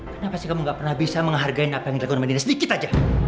kenapa sih kamu gak pernah bisa menghargai apa yang dilakukan medina sedikit aja